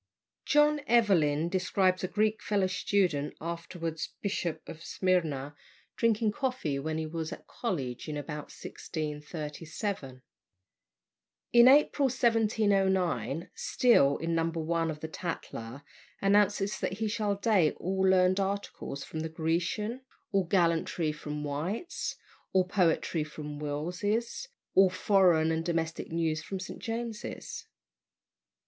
John Evelyn describes a Greek fellow student, afterwards Bishop of Smyrna, drinking coffee when he was at college in about 1637. In April 1709 Steele, in No. 1 of the Tatler, announces that he shall date all learned articles from the "Grecian," all gallantry from "White's," all poetry from "Wills's," all foreign and domestic news from "St. James's."